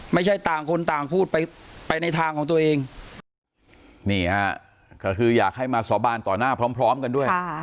ไม่ใช่ต่างคนต่างพูดไปไปในทางของตัวเองนี่ฮะก็คืออยากให้มาสาบานต่อหน้าพร้อมกันด้วย